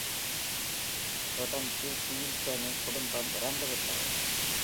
தொடர்ந்து Caetani குடும்பம் இறந்து விட்டது.